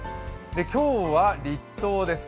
今日は立冬です。